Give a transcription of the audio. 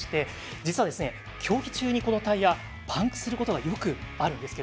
実は競技中にこのタイヤはパンクすることがよくあるんです。